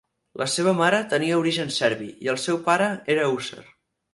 La seva mare tenia origen serbi i el seu pare era hússar.